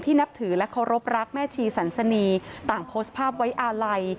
นับถือและเคารพรักแม่ชีสันสนีต่างโพสต์ภาพไว้อาลัย